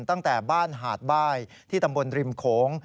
ตั้งแต่บ้านหาดบ้ายที่ตำบลริมโขง